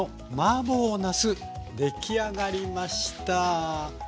出来上がりました。